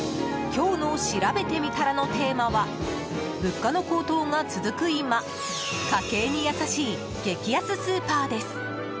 今日のしらべてみたらのテーマは物価の高騰が続く今家計に優しい激安スーパーです。